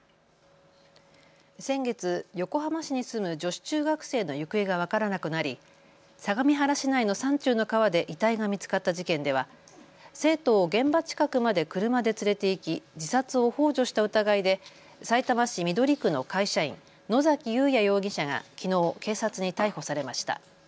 先月、横浜市に住む女子中学生の行方が分からなくなり相模原市内の山中の川で遺体が見つかった事件では生徒を現場近くまで車で連れて行き自殺をほう助した疑いでさいたま市緑区の会社員、野崎祐也容疑者がきのう警察に逮捕されました。